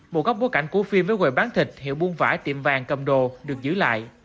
một góc bối cảnh của phim với quầy bán thịt hiệu buôn vải tiệm vàng cầm đồ được giữ lại